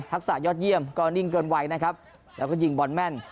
สะยอดเยี่ยมก็นิ่งเกินไวนะครับแล้วก็ยิงบอลแม่น